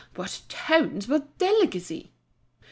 what tones, what delicacy!"